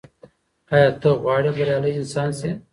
ایا ته غواړې بریالی انسان سې؟